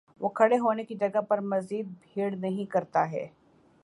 وہ کھڑے ہونے کی جگہ پر مزید بھیڑ نہیں کرتا ہے